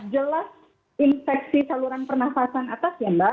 jelas infeksi saluran pernafasan atas ya mbak